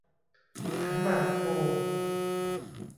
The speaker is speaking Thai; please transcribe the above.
ขันหมากโท